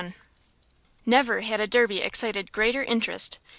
XXXI Never had a Derby excited greater interest.